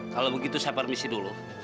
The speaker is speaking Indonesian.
kalau begitu saya permisi dulu